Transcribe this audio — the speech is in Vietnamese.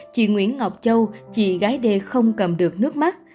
chị nguyễn ngọc châu chị gái đê không cầm được nước mắt